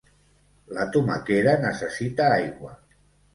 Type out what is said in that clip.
La tomaquera necessita aigua